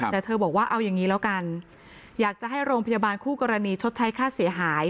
แต่เธอบอกว่าเอาอย่างนี้แล้วกันอยากจะให้โรงพยาบาลคู่กรณีชดใช้ค่าเสียหาย